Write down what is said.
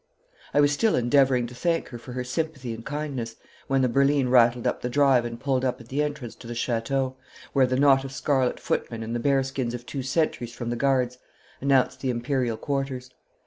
I was still endeavouring to thank her for her sympathy and kindness when the berline rattled up the drive and pulled up at the entrance to the chateau, where the knot of scarlet footmen and the bearskins of two sentries from the Guards announced the Imperial quarters.